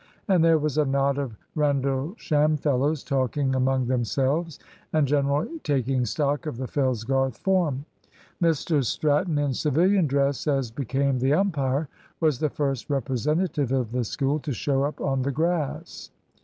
And there was a knot of Rendlesham fellows talking among themselves and generally taking stock of the Fellsgarth form. Mr Stratton, in civilian dress, as became the umpire, was the first representative of the School to show up on the grass.